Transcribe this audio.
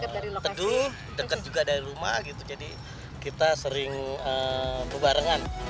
teduh dekat juga dari rumah gitu jadi kita sering berbarengan